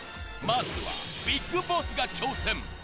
まずはビッグボスが挑戦。